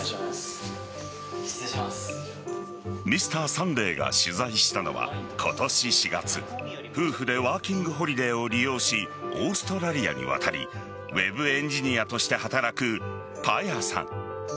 「Ｍｒ．サンデー」が取材したのは今年４月、夫婦でワーキングホリデーを利用しオーストラリアに渡りウェブエンジニアとして働くぱやさん。